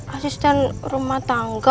asisten rumah tangga